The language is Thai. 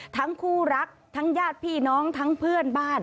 ทั้งคู่รักทั้งญาติพี่น้องทั้งเพื่อนบ้าน